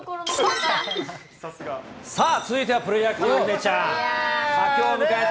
さあ、続いてはプロ野球、梅ちゃん、佳境を迎えた